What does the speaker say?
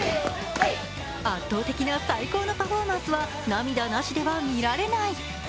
圧倒的な最高のパフォーマンスは涙なしでは見られない。